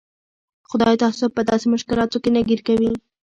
خدای تاسو په داسې مشکلاتو کې نه ګیر کوي.